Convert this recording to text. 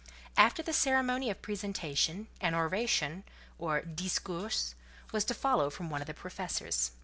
After the ceremony of presentation, an oration, or "discours," was to follow from one of the professors.